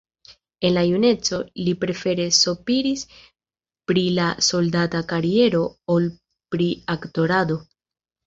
En la juneco li prefere sopiris pri la soldata kariero ol pri aktorado.